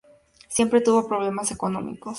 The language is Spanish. Siempre tuvo problemas económicos.